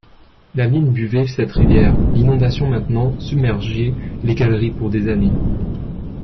La mine buvait cette rivière, l’inondation maintenant submergeait les galeries pour des années.